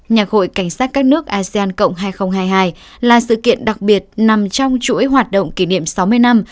nhạc hội cảnh sát các nước asean cộng hai nghìn hai mươi hai là sự kiện đặc biệt nằm trong chuỗi hoạt động kỷ niệm sáu mươi năm